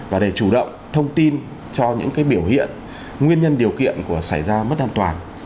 và để chủ động thông tin cho những biểu hiện nguyên nhân điều kiện của xảy ra mất an toàn